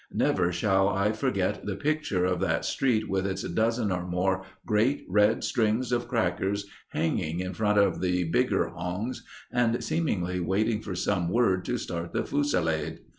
Never shall I forget the picture of that street with its dozen or more great red strings of crackers hanging in front of the bigger hongs and seemingly waiting for some word to start the fusillade.